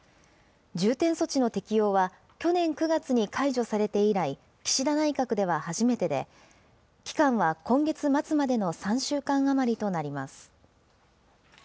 重点措置の適用は、去年９月に解除されて以来、岸田内閣では初めてで、期間は今月末までの３週間余りとなります。